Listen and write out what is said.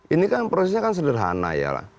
ini kan prosesnya kan sederhana ya